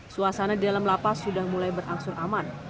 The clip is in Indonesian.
suasana di dalam lapas sudah mulai berangsur aman